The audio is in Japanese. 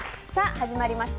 始まりました